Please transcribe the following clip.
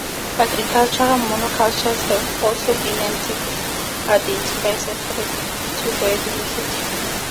Agricultural monocultures have also been identified as a threat to biodiversity.